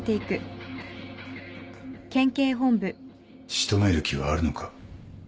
仕留める気はあるのか？